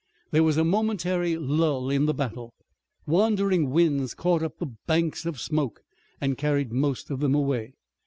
There was a momentary lull in the battle. Wandering winds caught up the banks of smoke and carried most of them away.